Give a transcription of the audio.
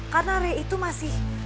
karena rey itu masih